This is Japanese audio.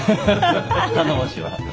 頼もしいわ。